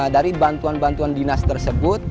dari bantuan bantuan dinas tersebut